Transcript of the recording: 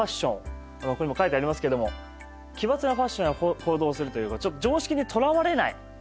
ここにも書いてありますけども奇抜なファッションや行動をするというかちょっと常識にとらわれない。